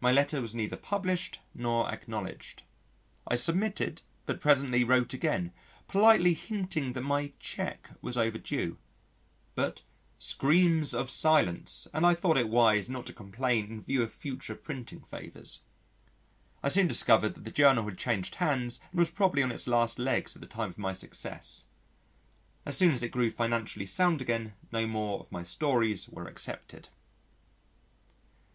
My letter was neither published nor acknowledged. I submitted, but presently wrote again, politely hinting that my cheque was overdue. But screams of silence, and I thought it wise not to complain in view of future printing favours. I soon discovered that the journal had changed hands and was probably on its last legs at the time of my success. As soon as it grew financially sound again no more of my stories were accepted.